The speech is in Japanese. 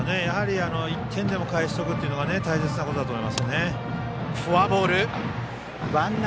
１点でも返しておくのが大切なことだと思います。